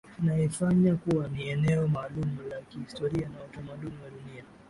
Inaifanya kuwa ni eneo maalumu la kihistoria na utamaduni wa dunia